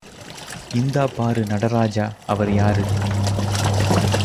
இந்தா பாரு நடராஜா அவர் யாரு?